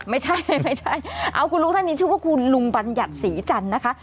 ไม่ใช่ไม่ใช่เอาคุณลุงท่านนี้ชื่อว่าคุณลุงบัญญัติศรีจันทร์นะคะ